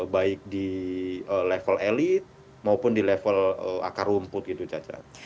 baik di level elit maupun di level akar rumput gitu cacat